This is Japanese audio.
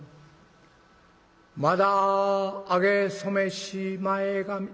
『まだあげ初めし前髪』。